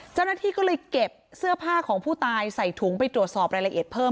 เจ้าหน้าที่ก็เลยเก็บเสื้อผ้าของผู้ตายใส่ถุงไปตรวจสอบรายละเอียดเพิ่ม